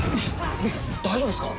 大丈夫ですか？